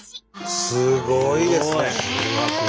すごいですね。